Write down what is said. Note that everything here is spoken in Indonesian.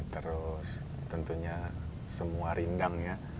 terus tentunya semua rindangnya